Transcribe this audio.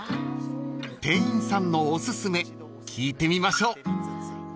［店員さんのおすすめ聞いてみましょう］